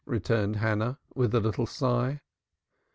returned Hannah, with a little sigh.